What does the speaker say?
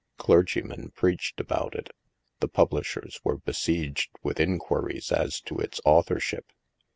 Clergymen preached about it; the publishers were besieged with inquiries as to its authorship.